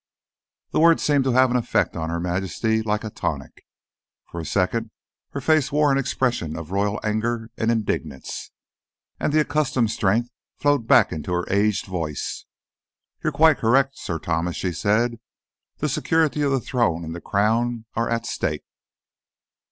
The words seemed to have an effect on Her Majesty, like a tonic. For a second her face wore an expression of Royal anger and indignance, and the accustomed strength flowed back into her aged voice. "You're quite correct, Sir Thomas!" she said. "The security of the Throne and the Crown are at stake!"